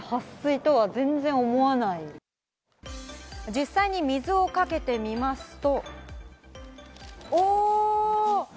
実際に水をかけてみますと。